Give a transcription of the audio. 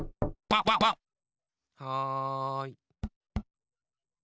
・はい。